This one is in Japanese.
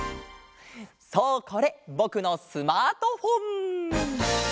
そうこれぼくのスマートフォン！